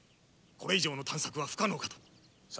これ以上の探索は不可能かと。